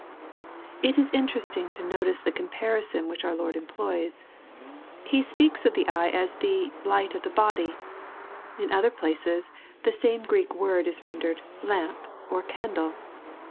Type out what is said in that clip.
It is interesting to notice the comparison which our Lord employs. He speaks of the eye as the " light of the body "; in other places, the same Greek word is rendered " lamp," or " candle."